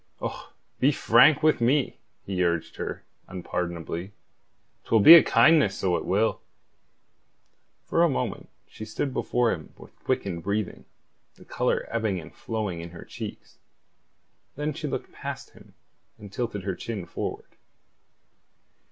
"Och, be frank with me," he urged her, unpardonably. "'Twill be a kindness, so it will." For a moment she stood before him with quickened breathing, the colour ebbing and flowing in her cheeks. Then she looked past him, and tilted her chin forward.